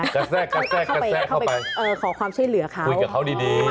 กัดแทรกเข้าไปขอความช่วยเหลือเขาคุยกับเขาดี